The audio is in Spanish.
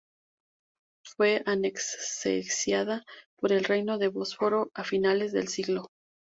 Fue anexionada por el Reino del Bósforo a finales de siglo.